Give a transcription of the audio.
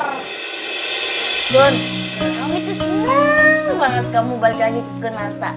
kamu itu senang banget kamu balik lagi ke kunarta